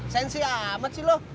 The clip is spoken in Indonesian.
sensi amat sih loh